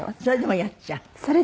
それでもやっちゃう？